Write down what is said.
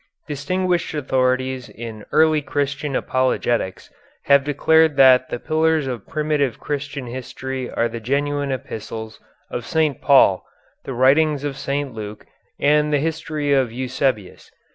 Distinguished authorities in early Christian apologetics have declared that the pillars of primitive Christian history are the genuine Epistles of St. Paul, the writings of St. Luke, and the history of Eusebius.